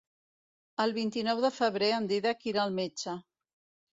El vint-i-nou de febrer en Dídac irà al metge.